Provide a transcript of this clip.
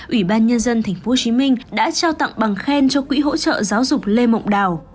ủy ban nhân dân tp hcm đã trao tặng bằng khen cho quỹ hỗ trợ giáo dục lê mộng đào